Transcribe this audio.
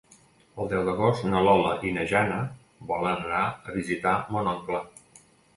El deu d'agost na Lola i na Jana volen anar a visitar mon oncle.